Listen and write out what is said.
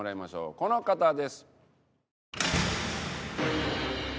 この方です。